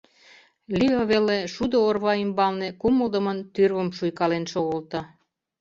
Лео веле шудо орва ӱмбалне кумылдымын тӱрвым шуйкален шогылто.